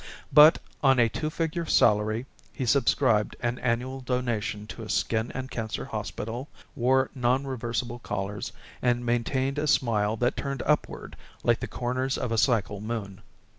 But on a two figure salary he subscribed an annual donation to a skin and cancer hospital, wore non reversible collars, and maintained a smile that turned upward like the corners of a cycle moon.